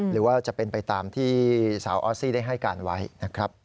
หรือว่าจะเป็นไปตามที่สาวออสซี่ได้ให้การไว้นะครับ